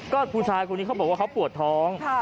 ก็ผู้ชายคนนี้เขาบอกว่าเขาปวดท้อง